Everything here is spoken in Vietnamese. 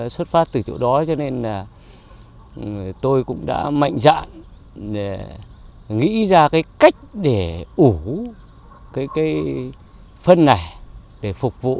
xuất phát từ chỗ đó cho nên là tôi cũng đã mạnh dạn để nghĩ ra cái cách để ủ cái phân này để phục vụ bà con